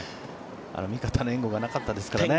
味方の援護がなかったですからね。